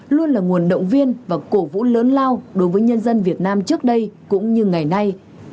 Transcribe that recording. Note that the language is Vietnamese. luôn là nguồn động viên và cổ vũ lớn lao đối với nhân dân việt nam trước đây cũng như ngày nay